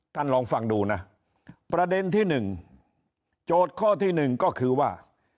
ท่านลองฟังดูนะประเด็นที่๑โจทย์ข้อที่๑ก็คือว่า